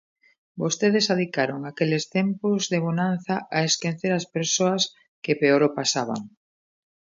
Vostedes adicaron aqueles tempos de bonanza a esquecer as persoas que peor o pasaban.